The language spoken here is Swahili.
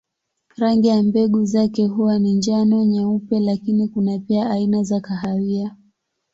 Rangi ya mbegu zake huwa ni njano, nyeupe lakini kuna pia aina za kahawia.